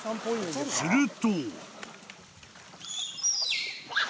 ［すると］